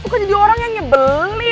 lu kan jadi orang yang nyebelin